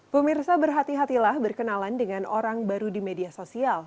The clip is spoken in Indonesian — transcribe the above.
pemirsa berhati hatilah berkenalan dengan orang baru di media sosial